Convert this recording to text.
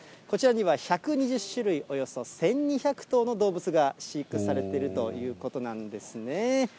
こちらには１２０種類、およそ１２００頭の動物が飼育されているということなんですね。